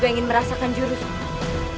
kau ingin merasakan jurusmu